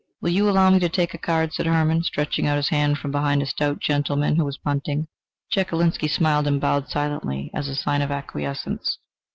"Will you allow me to take a card?" said Hermann, stretching out his hand from behind a stout gentleman who was punting. Chekalinsky smiled and bowed silently, as a sign of acquiescence.